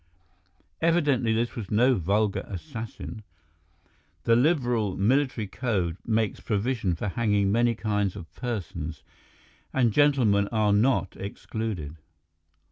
Evidently this was no vulgar assassin. The liberal military code makes provision for hanging many kinds of persons, and gentlemen are not excluded.